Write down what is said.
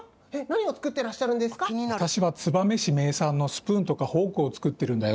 わたしは燕市めいさんのスプーンとかフォークをつくってるんだよ。